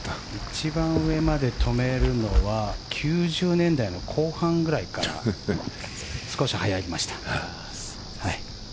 一番上まで留めるのは９０年代の後半ぐらいから少しはやりました。